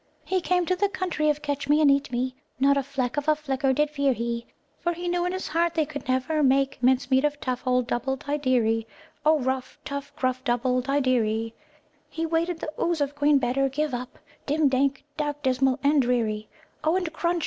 "He came to the country of 'Catch Me and Eat Me' Not a fleck of a flicker did fear he, O, For he knew in his heart they could never make mince meat Of tough old Dubbuldideery, O, Rough, tough, gruff Dubbuldideery. "He waded the Ooze of Queen Better Give Up, Dim, dank, dark, dismal, and dreary, O, And, crunch!